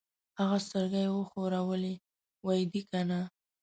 هغه سترګۍ وښورولې: وي دې کنه؟